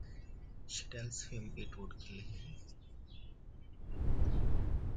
She tells him it would kill him.